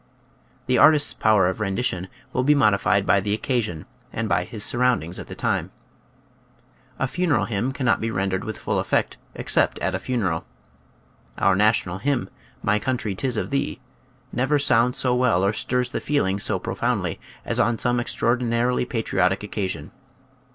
The artist's power of rendition will be modi fied by the occasion and by his surroundings (~~ j , Original from :l< ~ UNIVERSITY OF WISCONSIN Austc and Audfciane* 95 at the time. A funeral hymn cannot be ren dered with full effect except at a funeral. Our national hymn, " My country, 'tis of thee," never sounds so well or stirs the feelings so profoundly as on some extraordinarily patri otic occasion.